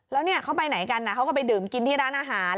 แล้วเนี่ยเขาไปไหนกันเขาก็ไปดื่มกินที่ร้านอาหาร